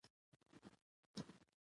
مېلې د همکارۍ او یووالي سمبول ګڼل کېږي.